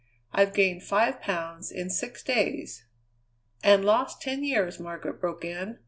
I've gained five pounds in six days." "And lost ten years," Margaret broke in.